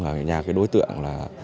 ở nhà đối tượng